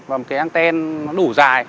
và một cái anten nó đủ dài